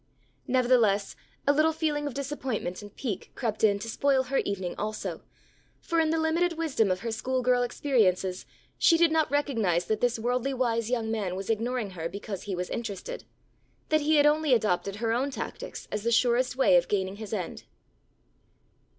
Nevertheless a little feeling of disappointment and pique crept in to spoil her evening also, for in the limited wisdom of her school girl experiences she did not recognize that this worldly wise young man was ignoring her because he was interested; that he had only adopted her own tactics as the surest way of gaining his end.